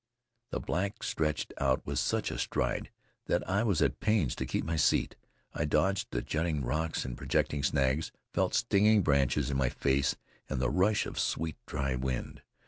The black stretched out with such a stride that I was at pains to keep my seat. I dodged the jutting rocks and projecting snags; felt stinging branches in my face and the rush of sweet, dry wind.